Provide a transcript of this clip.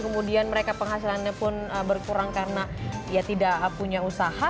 kemudian mereka penghasilannya pun berkurang karena ya tidak punya usaha